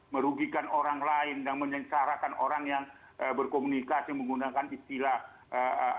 merugikan orang lain dan menyengsarakan orang yang berkomunikasi menggunakan istilah ee